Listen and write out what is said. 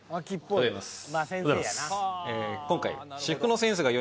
おはようございます。